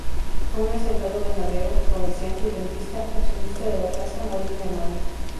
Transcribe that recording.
Fue un hacendado ganadero, comerciante y rentista, accionista de la Casa "Molina Hermanos".